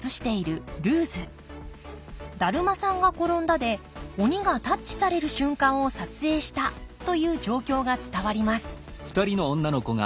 「だるまさんがころんだ」で鬼がタッチされる瞬間を撮影したという状況が伝わります